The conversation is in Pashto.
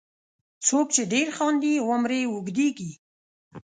• څوک چې ډېر خاندي، عمر یې اوږدیږي.